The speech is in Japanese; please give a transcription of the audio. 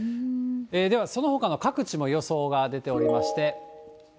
では、そのほかの各地も予想が出ておりまして。